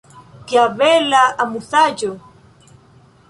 Kia bela amuzaĵo!